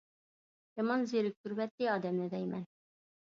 يامان زېرىكتۈرۈۋەتتى ئادەمنى دەيمەن.